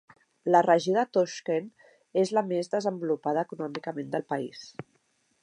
La regió de Toshkent és la més desenvolupada econòmicament del país.